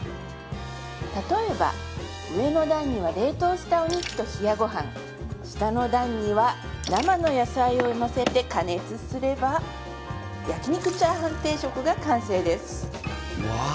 例えば上の段には冷凍したお肉と冷やごはん下の段には生の野菜をのせて加熱すれば焼肉チャーハン定食が完成ですわあ